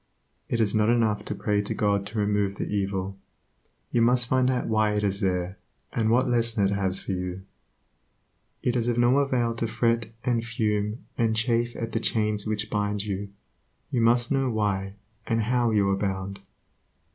It is not enough to pray to God to remove the evil; you must find out why it is there, and what lesson it has for you. It is of no avail to fret and fume and chafe at the chains which bind you; you must know why and how you are bound.